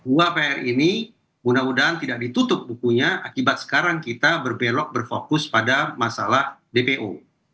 dua pr ini mudah mudahan tidak ditutup bukunya akibat sekarang kita berbelok berfokus pada masalah dpo